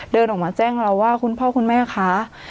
เดินออกมาแจ้งเราว่าคุณพ่อคุณแม่คะ